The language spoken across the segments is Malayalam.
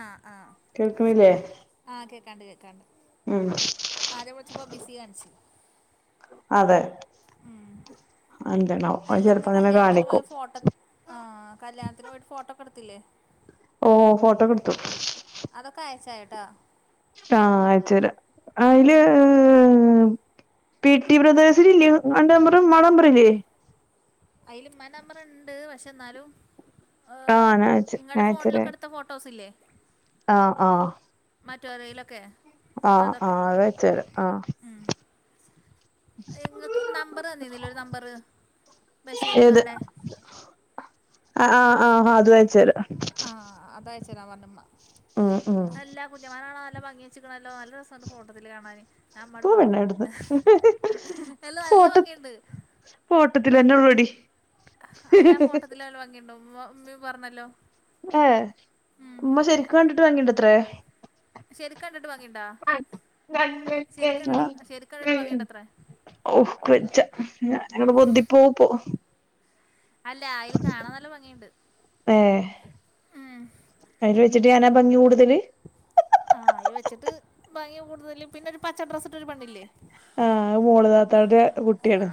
ആഹ് ആഹ കേൾക്കണില്ലേ ആഹ കേക്കാണ്ട് കേക്കാണ്ട് ഉം ആദ്യ വിളിച്ചപ്പോ ബിസി കാണിച് അതെ അത്ന്ന്താണവംഅവ അല്ലന്ന് ചെലപ്പം അങ്ങനെ കല്യാണത്തിന് കാണിക്കും പോയ ഫോട്ടോ ആഹ് കല്യാണത്തിന് പോയിട്ട് ഫോട്ടോക്കെടുത്തില്ലേ ഓ ഫോട്ടോ എടുത്തു അതൊക്കെ അയച്ചായട്ടാ ആ ആയച്ചരാ ഉം അയില് പി ടി ബ്രദേഴ്സിൽല്ലേ അൻ്റെ മ്പർ മടമ്പറംല്ലേ അതിലമ്മടെ നമ്പർ ഉണ്ട് പക്ഷെ എന്നാലും ആഹ് ഞാൻ അയച്ച് ഞാൻ ഇങ്ങളടെ ഫോണിലൊക്കെ ഇ ഫോട്ടോസ് ഇല്ലേ ആഹ ആഹ മറ്റോറെയിലൊക്കെ ആഹ ആഹ് അത അയച്ചരാ ആഹ എങ്ങൾക്ക് നമ്പർ തന്നിരുന്നില്ലെഒരു നമ്പർ ബഷീർ കാാടെ ആ ആഹ് ആഹ് ആഹ അത് അയച്ചര ആഹ് അതായച്ചേരാ പറഞ്ഞ് ഇമ്മ ആ ആ അല്ലാ കുഞ്ഞുമാനാകാണാ നല്ല ഭംഗി വെക്കണല്ലോ നല്ല രസണ്ട് ഫോട്ടത്തില് കാണാന് ഞ അമ്മട് പോ പറഞ്ഞു പെണ്ണെ ഇവിടുന്ന് അല്ല നല്ല ഫോട്ട ഭംഗിയുണ്ട് ഫോട്ടത്തിലെന്നെ ഒള്ളടി അല്ലാ ഫോട്ടോത്തില ല്ല ഭംഗിയണ്ടോും ഉമ്മീ പറഞ്ഞല്ലോ ഏ ഉം ഉമ്മ ശരിക്കും കണ്ടിട്ട് വാങ്ങിയണ്ടത്രേ ശരിക്കണ്ടിട്ട് വകയണ്ടാ ശരിക്കണ്ടിട്ട് ശരിക്ക്‌ കണ്ടിട്ട് ഭംഗിയുണ്ടത്രേ ഔ ക്ക്‌ വജ്ജാ ഞാനങ്ങട്ട് പൊന്തി പോവും പ്പൊ അല്ല അയിൽ കാണാൻ നല്ല ഭംഗിയുണ്ട് ഏഹ് ഉം അയില് വെച്ചിട്ട് ഞാനാ ഭംഗി കൂടുതല് ആഹ് അയിൽ വെച്ചിട്ട് ഭംഗി കൂടുതലും പിന്നെ ഒരു പച്ച ഡ്രസ് ഇട്ടൊരു പണ്ണില്ലേ ആഹ് അത് മോള്ദാത്താടെ കുട്ടിയാണ്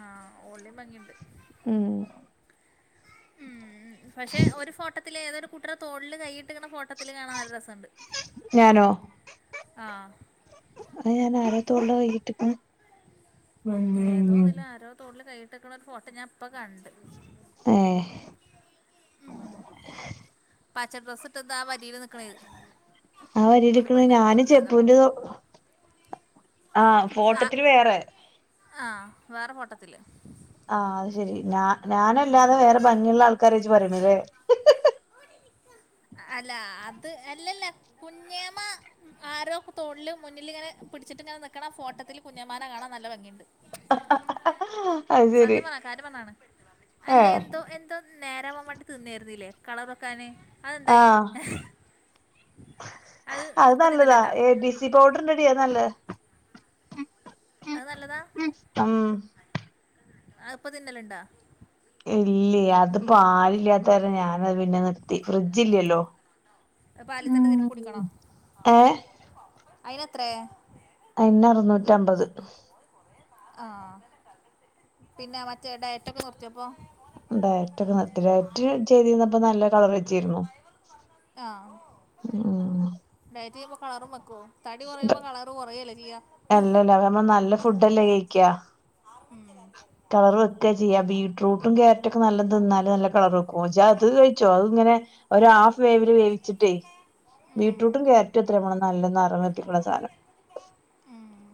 ആഹ് ഓൾടേം ഭംഗിയുണ്ട് ഉം ഉം പക്ഷെ ഒരു ഫോട്ടോത്തിലേ തൊരു കുട്ടിടെ തോളില് കൈയിട്ടിങ്ങണ ഫോട്ടത്തിൽ കാണാൻ നല്ല രസണ്ട്. ഞാനോ ആഹ് അഅ്ഞാൻ അരേത് കൊണ്ടോ [unintelligible] ഏതോന്നില് ആരോ തോളിൽ കൈയിട്ടിക്കണ ഒരു ഫോട്ടോ ഞാൻ ഇപ്പ കണ്ട് ഏഹ് പച്ച ഡ്രസ് ഇട്ട്ന്താ വരിൽ നിക്കണത് ആ വരീലിക്കണ ഞാൻ ഏതാണാവോ ചെപ്പൂന്റെ ആഹ് ഫോട്ടത്തില് വേറെ ആഹ് വേറെ ഫോട്ടത്തില് ആഹ് അത് ശെരി ഞാ ഞാനല്ലാതെ വേറെ ഭംഗിയുള്ള ആൾക്കാരേ ജ്ജ് പറയണ അല്ലേ അല്ല അത് അല്ലല്ല കുഞ്ഞേമ്മ ഉം ആരോ തോളിൽ മുന്നിലിങ്ങനെ പിടിച്ചിട്ട് ഇങ്ങനെ നിക്കണ ഫോട്ടത്തിൽ കുഞ്ഞമ്മാനെ കാണാൻ നല്ല ഭംഗിണ്ട്. അത് ശെരി സത്യം പറഞ്ഞ ആ കാര്യം പറഞ്ഞതാണ് അല്ലേ ഏഹ് എന്തോ എന്തോ നേരാവാൻ വേണ്ടി തിന്നായിരുന്നല്ലേ കളറൊക്കാന്. അതെന്തായി ആഹ് അത് ഇപ്പ തിന്നല് നല്ലതാ ഉണ്ടോ. എ ബി പൗഡർ ഇണ്ടടീ അത് നല്ലത് അത് നല്ലതാ അഅ് ഇപ്പ തിന്നലുണ്ടാ. ഇല്ല അത് പാലില്ലാത്ത കാരണം ഞാനത് പിന്നെ നിർ ത്തി ഫ്രിഡ്ജ് ഇല്ലല്ലോ അത് ഏഹ് അയിന് ത്രേ അയിന് അറുന്നൂറ്റിഅമ്പത്. ആഹ് പിന്നെ മറ്റേ ഡയറ്റൊക്കെ നിർത്തിയോപ്പോ. ഡയറ്റൊക്കെ നിർത്തിഡയറ്റ് ചെയ്തിരന്നപ്പോ നല്ല കളർ വച്ചിരുന്നു. ആഹ് ഉം ഡയറ്റ് ചെയ്യുമ്പോ കളറും വയ്ക്കുവോ തടി കുറയുമ്പോ കളറ് കുറയല്ലേ ചെയ്യാ. അല്ല അത് നമ്മള് നല്ല ഫു ല്ല ഫുടല്ലേ കഴിക്കാ. ഉം കളർ വെക്കാ ചെയ്യാ ബീട്രൂട്ടും ക്യാരറ്റ് ഒക്കെ നല്ല തിന്നാല് നല്ല കളർ വെക്കും. ജ്ജാ അത് കഴിച്ചോ അത് ഇങ്ങനെ ഒരു ഹാഫ് വേവില് വേവിച്ചിട്ടേ. ഉം ബീട്രൂട്ടും ക്യാരറ്റും ത്രേ നമ്മളെ നല്ലം നറം വെപ്പിക്കുന്ന സാധനം. ഉം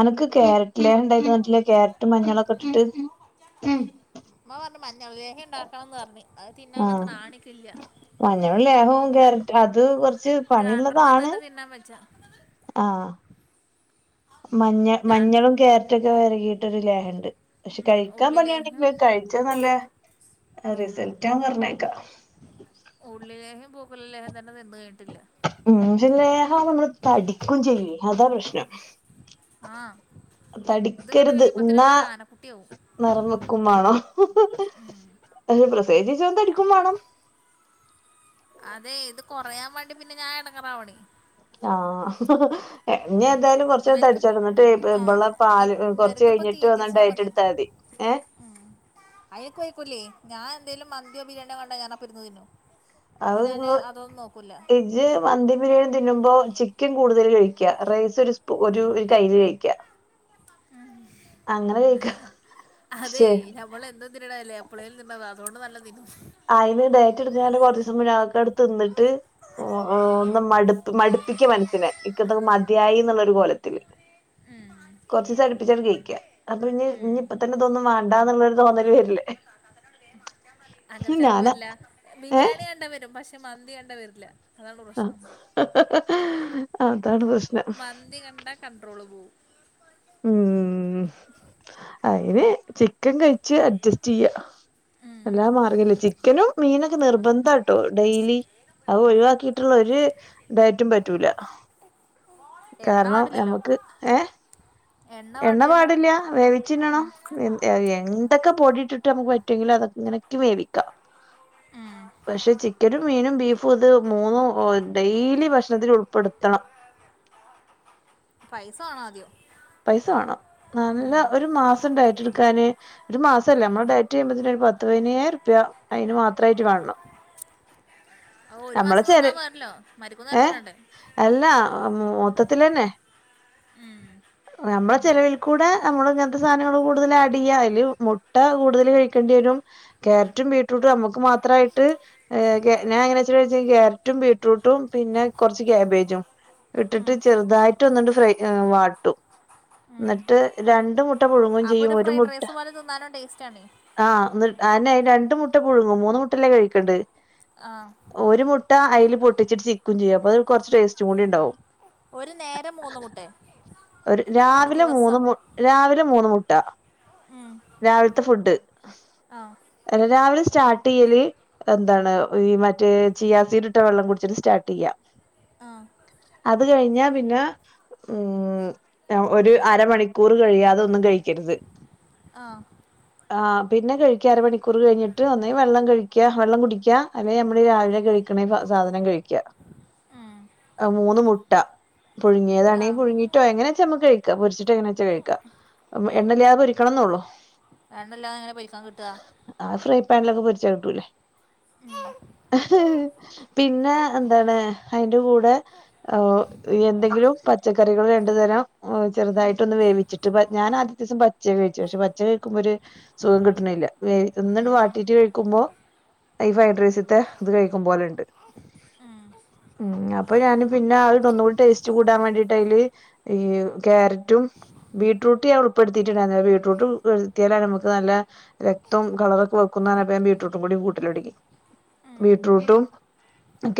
അണക്ക് ക്യാരറ്റ്ലേഹം ഇണ്ടാക്കി തന്നിട്ടില്ല. ക്യാരറ്റും മഞ്ഞളൊക്കെ ഉം ഉം മ്മ പറഞ്ഞു മഞ്ഞൾ ലേഹം ഉണ്ടാക്കണം ന്ന് പറഞ്ഞ് അത് തിന്നുള ആഹ് ത്രാണിക്കില്ല. മഞ്ഞളും ലേഹവും ര കാരറ്റും അത് കുറച്ച് പണിയുള്ളതാണ്. ന്നാ വച്ച. ആഹ് മഞ്ഞ രൺ മഞ്ഞളും ക്യാരറ്റൊക്കെ വെരകീട്ടൊരു ലേഹണ്ട്. പക്ഷെ ഉം കഴിക്കാൻ ഉള്ളിലേഹ്യം പണിയാണെങ്കിലും അഅ് കഴിച്ചാ നല്ല റിസൾട്ടാ പറഞ്ഞേക്കാ. ഉള്ളിലേഹം പൂക്കലലേഹം തന്നെ തിന്ന് കഴിഞ്ഞിട്ടില്ല. ഉം ഇഞ്ചി ലേഹം നമ്മള് തടിക്കും ചെയ്യും അതാ പ്രശ്നം. ആഹ് ഇത് ഇങ്ങട്ട് തടിക്കരുത് കഴിയുമ്പത്തിന് എന്നാ വല്ല ആനക്കുട്ടിയാവും നിറം വെക്കും വേണം പ്രസവിച്ച ശേഷം തടിക്കും വേണം. അതെ ഇത് കുറയാൻ വേണ്ടി പിന്നെ ഞാൻ ഇടങ്ങേറാവണേ. ആഹ് ഇഞ്ഞി ഏതായാലും കുറചൊന്ന് ഇവർക്കിപ്പോ തടിച്ചോന്നിട്ട് ആ ഇബളെ പാല് കുറച്ച് ഇവർക്കിപ്പോ കഴിഞ്ഞിട്ട് വന്നാണ്ട് ഡയറ്റ് എടുത്താൽ മതി. ഏഹ് ഉം അയക്കൊയ്ക്കൂല്ലേ ഞാൻ എന്തേലും മന്തിയോ ബിരിയാണിയോ കണ്ടാ ഞാനപ്പരുന്ന് തിന്നും. അപ്പൊ അത് ഞാന് അതൊന്നും നോക്കൂല. ഇജ്ജ് മന്തി ബിരിയാണി തിന്നുമ്പോ ചിക്കൻ കൂടുതൽ കഴിക്യ റൈസ് ഒരു സ്പൂ ഒരു ഒരു കയിൽ കഴിക്ക്യ. ആഹ് അങ്ങനെ കഴിക്ക അതെ പക്ഷേ നമ്മൾ എന്നും തിന്നണതല്ലേ എപ്പളേൽ തിന്നണതാ അതുകൊണ്ട് നല്ല തീ അയിന് ഡയറ്റ് എടുത്തുങ്ങാണ്ട് കുറച്ചു ദിവസം മുന്ന് അതൊക്കെയെടുത്ത് തിന്നിട്ട്. ഒന്ന് മടുപ്പ് മടുപ്പിക്ക മനസ്സിനെ ഇക്കതിക്ക് മതിയായി എന്നുള്ളൊരു കോലത്തില്. മ് കുറച്ച് ദിവസം അടുപ്പിച്ചങ്ങട്ട് കഴിക്കുക. അപ്പൊ ഇനി ഇനി ഇപ്പ തന്നെ ഇതൊന്നും വേണ്ടാ എന്നുള്ളൊരു തോന്നല് വരില്ലേ. അങ്ങനെ ചിലപ്പോ ഞാനാ വരില്ല. ഏ ബിരിയാണി കണ്ടാ വരും, പക്ഷെ മന്തി കണ്ടാ വരില്ല. അതാണ് പ്രശ്നം ആഹ് അതാണ് പ്രശ്നം. മന്തി കണ്ട കണ്ട്രോൾ പോവും. ഉം അതിന് ചിക്കൻ കഴിച്ച് അഡ്ജസ്റ്റ് ചെയ്യ. ഉം. എല്ലാ മാറിയല്ലോ, ചിക്കനും, മീനൊക്കെ നിർബന്ധാട്ടോ ഡെയിലി. അത് ഒഴിവാക്കിയിട്ടുള്ള ഒരു ഡയറ്റും പറ്റൂല. എണ്ണ കാരണം പാടില്ലല്ലോ നമുക്ക് ഏഹ് എണ്ണ പാടില്ല, വേവിച്ചിന്നണം. ഏഹ് എന്തൊക്കെ പൊടിയിട്ടിട്ട്- നമുക്ക് പറ്റുമെങ്കിലും, അതൊക്കെ ഇങ്ങനിട്ട് വേവിക്കാം. ഏഹ്. പക്ഷെ ചിക്കനും, മീനും, ബീഫും ഇത് മൂന്നും ഡെയിലി ഭക്ഷണത്തിൽ ഉൾപ്പെടുത്തണം. പൈസ വേണോ ആദ്യം. പൈസ വേണം നല്ല, ഒരു മാസം ഡൈറ്റെടുക്കാന്. ഒരു മാസമല്ലേ നമ്മള് ഡയറ്റ് ചെയ്യുമ്പോത്തേന് ഒരു പത്ത്- പതിനനായിരം ഉറുപ്യ അയിന്- മാത്രമായിട്ട് കാണണം. ഒരു നമ്മളെ മാസം ചെല തിന്നാ പോരല്ലോ- മരിക്കുന്ന വരെ ഏ തിന്നണ്ടേ. അല്ല മൊത്തത്തിലന്നെ. ഉം. നമ്മുടെ ചിലവിൽ കൂടെ നമ്മള് ഇങ്ങനത്തെ സാധനങ്ങൾ കൂടുതൽ ആഡ് ചെയ്യാ, അതില് മുട്ട കൂടുതൽ കഴിക്കേണ്ടി വരും. ക്യാരറ്റും ബീട്രൂട്ടും നമ്മുക്ക് മാത്രമായിട്ട്. ഞാൻ എങ്ങനെ വെച്ചാ ക്യാരറ്റും, ബീട്ട്റൂട്ടും പിന്നെ കുറച്ച് ക്യാബേജും. ഇട്ടിട്ട് ഉം. ചെറുതായിട്ട് ഒന്നിണ്ട് ഫ്രൈ ചെ വാട്ടും. എന്നിട്ട് രണ്ട് മു- അപ്പൊരു ഫ്രൈഡ് റൈസ് പോലെ തിന്നാനും ടേസ്റ്റ് ആണേ. ആഹ് എന്നി അതന്നെ രണ്ടു മുട്ട- പുഴുങ്ങും മൂന്നു മുട്ടയല്ലേ കഴിക്കണ്ടത്. ആഹ്. ഒരു മുട്ട അയിൽ പൊട്ടിച്ചിട്ട് ചിക്കും- ചെയ്യും അപ്പോ അത് കുറച്ച് ടേസ്റ്റും കൂടി ഉണ്ടാവും. ഒരു നേരം മൂന്നു മുട്ടയേ? ഒരു രാവിലെ മൂന്ന്, രാവിലെ മൂന്ന് മുട്ട. ഉം. രാവിലത്തെ ഫുഡ് ആ അല്ല രാവിലെ സ്റ്റാർട്ട് ചെയ്യല്. എന്താണ് ഈ മറ്റേ ചിയാസീഡിട്ട- വെള്ളം കുടിച്ചിട്ട് സ്റ്റാർട്ട് ചെയ്യാം. ആഹ്. അത് കഴിഞ്ഞാ പിന്നെ. ഉം ഒരു അരമണിക്കൂർ കഴിയാതെ ഒന്നും കഴിക്കരുത്. ആഹ്. ആഹ് പിന്നെ കഴിക്ക്യ, അരമണൂർ കഴിഞ്ഞിട്ട് ഒന്നേ വെള്ളം കഴി- ക്ക്യ വെള്ളം കുടിക്ക്യ അല്ലെ, ഞമ്മളീ രാവിലെ കഴിക്ക്ണ സാധനം കഴിയ്ക്ക. ഉം. അഹ മൂന്ന് മുട്ട, ആ പുഴുങ്ങിയതാണെങ്കിൽ പുഴുങ്ങിയിട്ടോ, എങ്ങനെച്ച ഞമ്മക്ക് കഴിക്ക. പൊരിച്ച് - ട്ട് എങ്ങനെച്ച കഴിക്ക എണ്ണല്ലാതെ പൊരിക്കണംന്നള്ളൂ. എണ്ണല്ലാതെ എങ്ങനെയാ പൊരിക്കാൻ കിട്ടാ. അത് ഫ്രൈ പാനിലൊക്കെ പൊരിച്ചാ കിട്ടൂല്ലേ? [unintelligible] പിന്നെ എന്താണ് അതിന്റെ കൂടെ? ഓ എന്തെങ്കിലും പച്ചക്കറികൾ രണ്ടു തരം ചെറുതായിട്ടൊന്ന് വേവിച്ചിട്ട്. ട്ട് ഞാനത്തിയതിസം പച്യാ കഴിച്ചേ പക്ഷെ, പച്ച കഴിക്കുമ്പം ഒര് സുഖം കിട്ടണില്ല. ഒന്നണ്ട് വാട്ടീട്ട് കഴിക്കുമ്പോ- ഈ ഫ്രൈഡ് റൈസത്തെ ഇത്- കഴിക്കും പോലെണ്ട്. ഉം ഉം അപ്പം ഞാന് പിന്നെ [unintelligible] തൊന്നുകൂടി ടേസ്റ്റ് കൂടാൻ വേണ്ടിട്ട് അയ്‌ല് ഈഹ് ക്യാരറ്റും ബീറ്റ്റൂട്ട് ഞാൻ ഉൾപ്പെടുത്തിട്ടുണ്ടായിരുന്നില്ല ബീറ്റ്റൂട്ട് ഉൾപ്പെട്ത്ത്യാലാണ് നമുക്ക് നല്ല രക്തോം കളറൊക്കെ വെക്കുന്നർഞ്ഞപ്പം ഞാൻ ബീട്രൂട്ടും കൂടി കൂട്ടലൊടങ്ങി ബീട്രൂട്ടും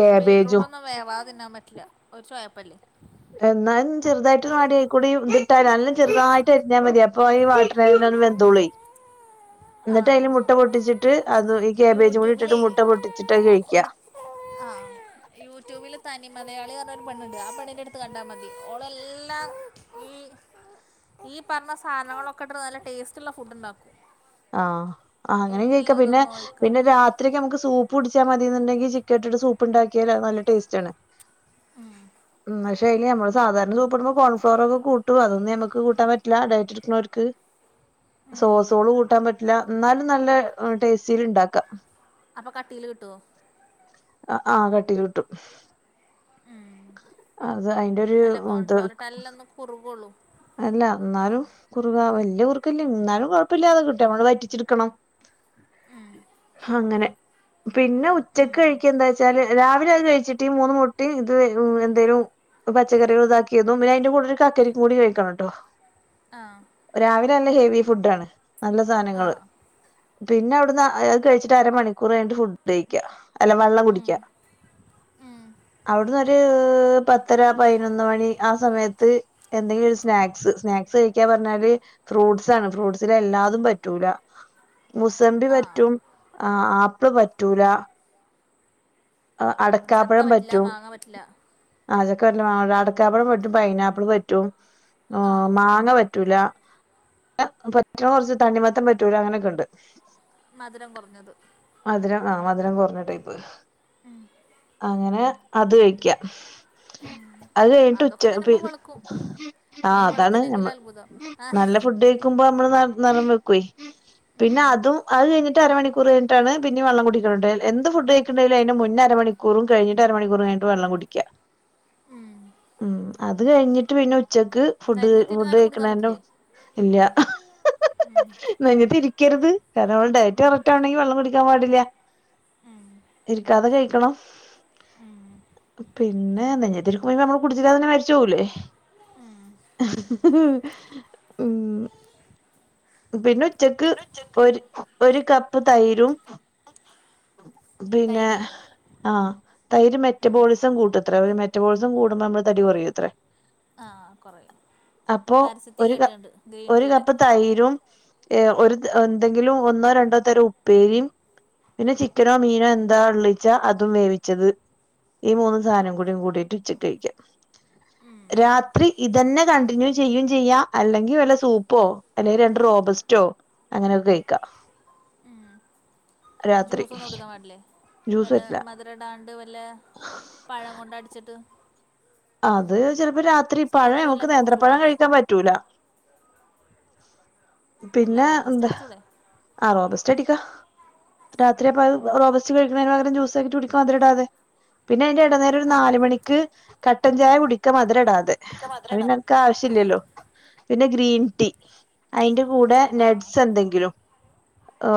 കാബേജും ബീട്രൂട്ടൊന്നും വേവാതെ തിന്നാൻ പറ്റില്ല ഒരു ചൊയപ്പല്ലെ എന്നാലും ചെറുതായിട്ടൊന്ന് അടീയാകൂടി ഇത്ട്ടാല് നല്ലോം ചെറുതായിട്ട് അരിഞ്ഞാ മതി അപ്പോ ഈ വാട്ട [unintelligible] വെന്തോളെ ആ ന്നട്ട് അയ്ല് മുട്ട പൊട്ടിച്ചിട്ട് അത് ഇ ക്യാബേജ് കൂടി ഇട്ടിട്ട് മുട്ട പൊട്ടിച്ചിട്ട് അത് കഴിക്കാ ആഹ് യൂട്യൂബില് തനി മലയാളി പറഞ്ഞൊരു പെണ്ണ്ണ്ട് ആ പെണ്ണിന്റെട്ത്ത് കണ്ടാ മതി ഓളെല്ലാം ഈഹ് ഈ പറഞ്ഞ സാധനങ്ങളൊക്കെ ഇട്ട് നല്ല ടേസ്റ്റ്ള്ള ഫുഡ് ഇണ്ടാക്കും ആഹ് ആ അങ്ങനിം കയ്ക്കാ പിന്നെ പിന്നെ ഒഴിക്കാണ്ട് രാ രാത്രി ഒക്കെ നമുക്ക് സൂപ്പ് കുടിച്ചാ മതിന്ന്ണ്ടെങ്കി ചിക്ക ഇട്ട്ട്ട് സൂപ്പ് ഇണ്ടാക്കിയാ അത് നല്ല ടേസ്റ്റാണ് ഉം ഉം പക്ഷെ അയ്ന് ഞമ്മള് സാധാരണ സൂപ്പിടുമ്പം കോൺഫ്ലോറൊക്കെ കൂട്ടും അതൊന്നും ഞമ്മക്ക് കൂട്ടാൻ പറ്റില്ല ഡയറ്റ്ട്ക്ക്ണോൽക്ക് [inaudible] സോസോള് കൂട്ടാൻ പറ്റില്ല ഇന്നാലും നല്ല ടേസ്റ്റില് ഇണ്ടാക്കാം അപ്പം കട്ടീല് കിട്ട്യോ ആഹ് ആഹ് കട്ടീല് കിട്ടും. അത് അയിന്റൊരു ഇത് കുറുകൊളൂ അല്ല ന്നാലും കുറുക വല്യ കുറുക്കല്യ ഇന്നാലും കൊഴപ്പല്ലാതെ കിട്ടും നമ്മള് വറ്റിച്ചിട്ക്കണം ഉം അങ്ങനെ പിന്നെ ഉച്ചക്ക് കഴിക്കെന്താച്ചാല് രാവിലെ അത് കഴിച്ചിട്ട് മൂന്ന് മുട്ടിം ഇതും എന്തേലും പച്ചക്കറികൾ ഇതാക്കിരുന്നു പിന്നെ അയിന്റെ കൂടെ ഒരു കക്കരിക്കും കൂടി കഴിക്കണംട്ടോ ആഹ് രാവിലന്നെ ഹെവി ഫുഡാണ് നല്ല ആ സാനങ്ങള് പിന്നെ അവ്ടുന്ന് അത് കഴിച്ചിട്ട് അരമണിക്കൂര് കഴിഞ്ഞിട്ട് ഫുഡ്ഡെയ്ക്കാ അല്ല വെള്ളം ഉം, കുടിക്കാ ഉം അവ്ട്ന്ന് ഒരു പത്തര പതിനൊന്ന് മണി ആ സമയത്ത് എന്തെങ്കിലും സ് സ്നാക്സ് സ്നാക്സ് കഴിയ്ക്കാ പറഞ്ഞാല് ഫ്രൂട്ട്സ് ആണ് ഫ്രൂട്ട്സില് എല്ലാതും പറ്റൂല മുസമ്പി ആ പറ്റും ആഹ് ആപ്പിള് പറ്റൂല ആഹ് ചക്ക അടക്കാപ്പഴം പറ്റില്ല പറ്റും മാങ്ങ പറ്റില്ല [unintelligible] അടക്കാപ്പഴം പറ്റും പൈനാപ്പിള് പറ്റും ആ ആഹ് മാങ്ങ പറ്റൂല പറ്റണ കൊറച്ച് തണ്ണിമത്തൻ പറ്റൂല അങ്ങനെക്ക്‌ണ്ട് മധുരം കൊറഞ്ഞത് മധുരം ആഹ് മധുരം കൊറഞ്ഞ ടൈപ്പ് അങ്ങനെ അത് കഴിക്കാം അത് കഴിഞ്ഞിട്ട് അതൊക്കെ ഉച്ച പി തിന്നുമ്പോ വെളുക്കും ആഹ് പിന്നെ അതാണ് വെളുത്തില്ലെങ്കിൽ ഞമ്മ അത്ഭുതം ആ നല്ല ഫുഡ് ക്കുമ്പോ നമ്മള് നറ് നറം വെക്കുവേ പിന്നെ ഉം അതു അത് കഴിഞ്ട്ട് അര മണിക്കൂറ് ണൂ കഴിൻട്ടാണ് പിന്നെ വള്ള കുടിക്കണഹ് ട്ടൊ എന്ത് ഫുഡയ്ക്ണ്ടെ ട്ടയ്ന്റെ മുന്നരമണിക്കൂറും കഴിട്ടരമണിക്കൂറും കഴിഞ്ട്ട് വെള്ളം കുടിക്ക ഉം അത് കഴിഞ്ഞിട്ട് പിന്നെ ച്ചക്ക് ഫുഡ് ഫുഡ് നെഞ്ഞത്തിരുന്നാലും കുടിക്കാൻ കയ്ക്ണന്റെ പറ്റില്ലേ ഇല്ല ന്നേയ്ഞ്ട്ട് ഇരിക്കരുത് കാരണം നമ്മള് ഡയറ്റ് കറക്റ്റാണെങ്കി വെള്ളം കുടിക്കാൻ പാടില്ല ഉം ഇരിക്കാതെ കഴിക്കണോ ഉം പിന്നെ നെഞ്ഞാത്തി [unintelligible] ന്നെ മരിച്ചോകൂലേ ഉം ഉം പിന്നെ ഉച്ചക്ക് ഒരു ഒരു കപ്പ് തൈരും പിന്നെ തൈര് ആഹ് തൈര് മെറ്റബോളിസം കൂട്ടത്രേ ഒരു മെറ്റബോളിസം കൂടുമ്പോ നമ്മള് തടി കുറിയൂത്രേ ആ കുറയും അപ്പോ പരസ്യത്തിൽ ഒരു ക കേട്ടിട്ടുണ്ട് ഗ്രീൻ ഒരു ടീയുടെ കപ് തൈരും ഏഹ് ഒരു എന്തെങ്കിലും ഒന്നോ രണ്ടോ തരം ഉപ്പേരിയും പിന്നെ ചിക്കനോ മീനോ എന്താ ഉള്ളിച്ചാ അതും വേവിച്ചത് ഈ മൂന്ന് സാനം കൂടി കൂട്ടിയിട്ട് ഉച്ചക്കഴിക്കാം രാത്രി ഇതന്നെ കണ്ടിന്യൂ ചെയ്യിം ചെയ്യാ അല്ലെങ്കിൽ വല്ല സൂപ്പോ അല്ലെ രണ്ട റോബസ്റ്റോ അങ്ങനെയൊക്കെയ്ക്കാ ഏഹ് രാത്രി ജ്യൂസൊന്നും കൊടുക്കാൻ പാടില്ലേ ജ്യൂസ് വല്ല പറ്റില്ല മധുരടാണ്ട് വല്ല പഴം കൊണ്ടടിച്ചിട്ട് അത് ചിലപ്പോ രാത്രി പഴം സ്മൂത്തി നമുക്ക് പോലാക്കി കുടിച്ചൂടെ നേന്ത്രപ്പഴം കഴിക്കാൻ പറ്റൂല അല്ല പിന്നെ റോബസ്റ്റ് എന്താ അടിച്ചൂടെ ആഹ് റോബസ്റ്റ്ടിക്കാ രാത്രി അപ്പ റോബസ്റ്റ് കഴിക്നയ്ന് പകരം ജൂസാക്കിട്ട് കുടിക മതിരടാതെ പിന്നെ അയ്ന്റെ ന്ന നേരം ഒരു ആ നാല്മണിക്ക് കട്ടൻ ചായ കുടിക്കാ മധുര ഇടാ തെ അയ്നൊക്കെ ആവശ്യ ആ ല്ലല്ലോ പിന്നെ ഗ്രീൻ ടീ അതിന്റെ കൂടെ ആ നട്സ് എന്തെങ്കിലും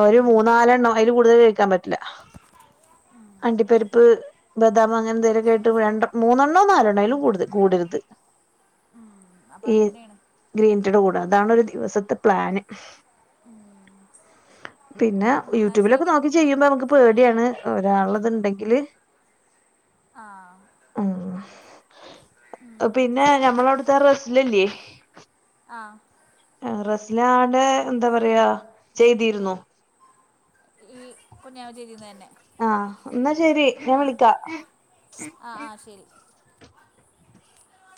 ഒരു ഉം മൂന്നാലെണ്ണം അയ്ല് കൂടുതൽ കയ്ക്കാൻ പറ്റില്ല അണ്ടിപ്പരിപ്പ് ബദാം അങ്ങനെന്തേലൊക്കെ ആയിട്ട് രണ്ട മൂന്നെണ്ണോ നാലെണ്ണേ അയ്ലും കൂടു കൂടരുത് അപ്പൊ അങ്ങനെണ് ഗ്രീൻറ്റടെ കൂട അതാണ് ഒരു ദിവസത്തെ പ്ലാന് ഉം പിന്നെ എന്നാ യൂട്യൂബിലൊക്കെ ശരി നോക്കി ചെയ്യുമ്പോ നമുക്ക് പേടിയാണ് ഒരാളത്ണ്ടെങ്കില് ആഹ് ഉം പിന്നെ ശരി ഞമ്മള അവിടുത്തെ റസ്ലുല്ലേ ആഹ് ആഹ് റസ്ലാടെ എന്താ പറയാ ചെയ്തിരുന്നു ഈ പുന്ന്യാഹം ചെയ്യുന്നേന്നെ ആഹ് എന്നാ ശെരി ഞാൻ വിളിക്കാ ആഹ് ആഹ് ശരി